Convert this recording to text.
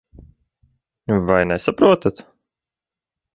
Vai nesaprotat?